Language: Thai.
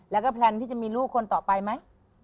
เธอก็แพลนที่จะมีรู้คนต่อไปมั้ย